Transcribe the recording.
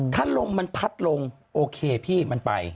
ถ้าลมมันพัดลงโอเคพี่มันไป